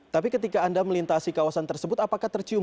tapi ketika anda melintasi kawasan tersebut apakah tercium